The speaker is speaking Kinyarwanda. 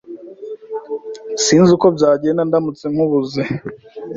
S Sinzi uko byagenda ndamutse nkubuze.